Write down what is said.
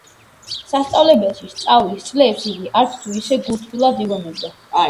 სასწავლებელში სწავლის წლებს იგი არც თუ ისე გულთბილად იგონებდა.